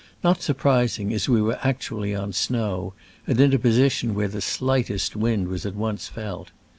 Not sur prising, as we were actually on snow, and in a position where the slightest wind was at once felt.